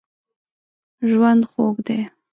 ژوند خوږ دی.